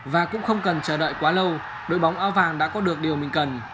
và cũng không cần chờ đợi quá lâu đội bóng áo vàng đã có được điều mình cần